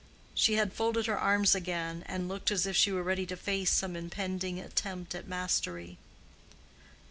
She had folded her arms again, and looked as if she were ready to face some impending attempt at mastery.